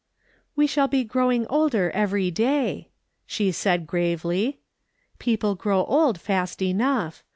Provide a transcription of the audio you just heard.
" "We shall be growing older every day," she said gravely. "People grow old fast enough.